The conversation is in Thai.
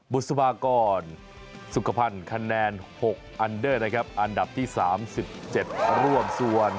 บุษบากรสุขภัณฑ์คะแนน๖อันเดอร์นะครับอันดับที่๓๗ร่วมส่วน